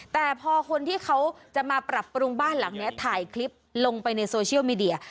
แต่พอคนที่เขาจะมาปรับปรุงบ้านหลังนี้ถ่ายคลิปลงไปในโซเชียลมีเดีย